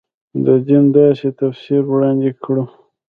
دین داسې تفسیر وړاندې کړو.